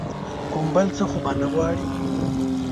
کوم بل څه خو به نه غواړې ؟